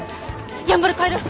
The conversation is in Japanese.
やんばる帰る！